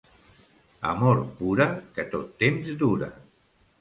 Amor pura que tot temps dura.